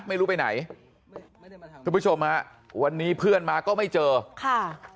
ไม่รู้ไปไหนทุกผู้ชมฮะวันนี้เพื่อนมาก็ไม่เจอค่ะ